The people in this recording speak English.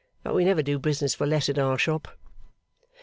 But we never do business for less at our shop.